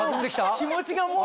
気持ちがもう。